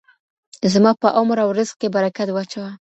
زما په عمر او رزق کې برکت واچوه.